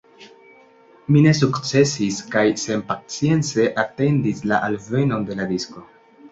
Mi ne sukcesis, kaj senpacience atendis la alvenon de la disko.